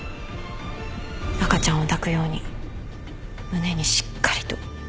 赤ちゃんを抱くように胸にしっかりと。